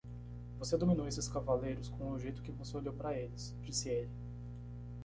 "Você dominou esses cavaleiros com o jeito que você olhou para eles?", disse ele.